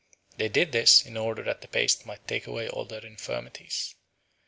They did this in order that the paste might take away all their infirmities.